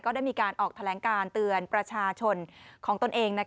ได้มีการออกแถลงการเตือนประชาชนของตนเอง